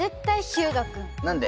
何で？